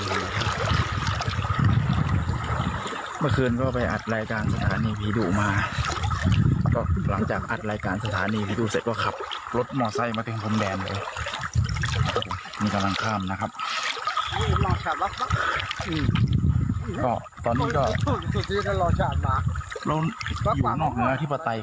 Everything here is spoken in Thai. สวัสดีครับก็อยู่เข้าศรษฐ์กรรมกรรมอย่างแรกฮะตอนนี้